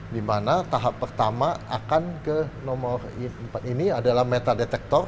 dimana tahap pertama akan ke nomor ini adalah metadetector